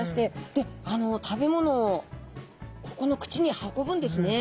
で食べ物をここの口に運ぶんですね。